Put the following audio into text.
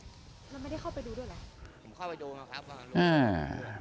แล้วไม่ได้เข้าไปดูด้วยอะไรผมเข้าไปดูแล้วครับ